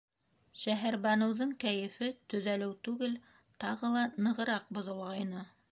Шәһәрбаныуҙың кәйефе төҙәлеү түгел, тағы нығыраҡ боҙолғайны.